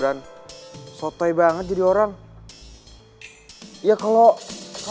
langsung aja telepon ke nomor delapan ratus tujuh puluh tujuh tiga ratus enam puluh tiga